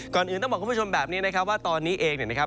อื่นต้องบอกคุณผู้ชมแบบนี้นะครับว่าตอนนี้เองเนี่ยนะครับ